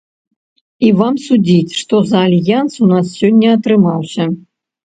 І вам судзіць, што за альянс у нас сёння атрымаўся.